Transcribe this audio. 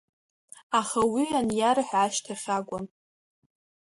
Аха уи аниарҳәа ашьҭахь акәын.